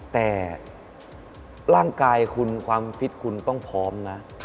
แต่ร่างกายคุณความฟิตคุณต้องพร้อมนะ